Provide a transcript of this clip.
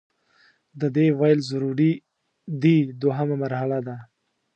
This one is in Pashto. د دې ویل ضروري دي دوهمه مرحله ده.